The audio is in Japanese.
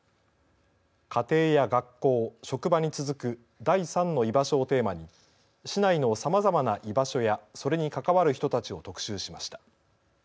家庭や学校、職場に続く第３の居場所をテーマに市内のさまざまな居場所や、それに関わる人たちを特集しました。